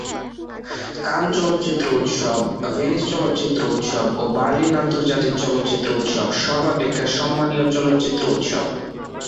কান চলচ্চিত্র উৎসব, ভেনিস চলচ্চিত্র উৎসব ও বার্লিন আন্তর্জাতিক চলচ্চিত্র উৎসব সর্বাপেক্ষা সম্মানীয় চলচ্চিত্র উৎসব।